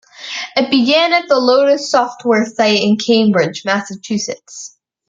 It began at the Lotus Software site in Cambridge, Massachusetts.